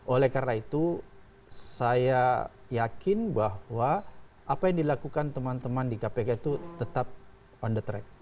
oleh karena itu saya yakin bahwa apa yang dilakukan teman teman di kpk itu tetap on the track